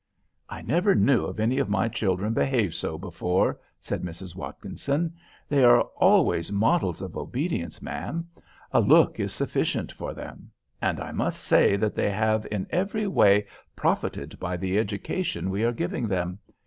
"I never knew any of my children behave so before," said Mrs. Watkinson. "They are always models of obedience, ma'am. A look is sufficient for them. And I must say that they have in every way profited by the education we are giving them.